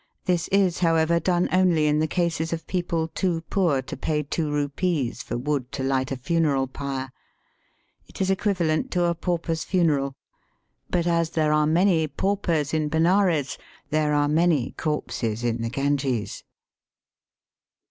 This is, however, done only in the cases of people too poor to pay two rupees for wood to light a funeral pyre. It is equivalent to a pauper's funeral ; but as there are many paupers in Benares, there are many corpses in the Ganges.